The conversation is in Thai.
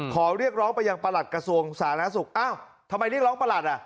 ขอเรียกร้องไปยังประหลัดกระทรวงสาธารณสุขอ้าวทำไมเรียกร้องประหลัดอ่ะ